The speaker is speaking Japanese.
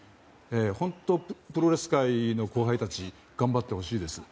本当、プロレス界の後輩たち頑張ってほしいです。